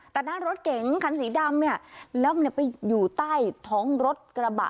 แต่หน้ารถเก๋งคันสีดำเนี่ยแล้วไปอยู่ใต้ท้องรถกระบะ